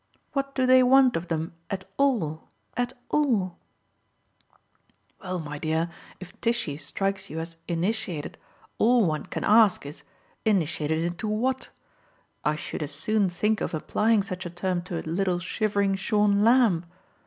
What do they want of them 'at all at all'?" "Well, my dear, if Tishy strikes you as 'initiated' all one can ask is 'Initiated into what?' I should as soon think of applying such a term to a little shivering shorn lamb.